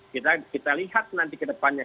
kita lihat nanti kedepannya